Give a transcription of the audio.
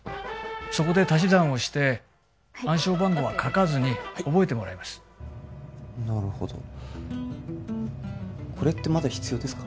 そこで足し算をして暗証番号は書かずに覚えてもらいますなるほどこれってまだ必要ですか？